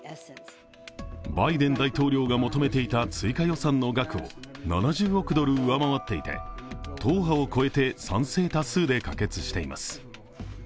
バイデン大統領が求めていた追加予算の額を７０億ドル上回っていて党派を超えて賛成多数で可決しています。